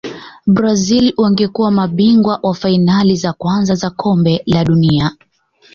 brazil wangekuwa mabingwa wa fainali za kwanza za kombe la dunia